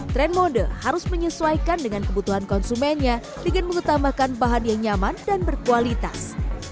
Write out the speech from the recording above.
tren mode harus menyesuaikan dengan kebutuhan konsumennya dengan mengutamakan bahan yang nyaman dan berkualitas